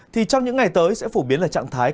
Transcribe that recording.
thì trong những ngày tới sẽ phổ biến là trạng thái